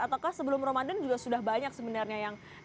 atau sebelum ramadan sudah banyak sebenarnya yang ikut kajian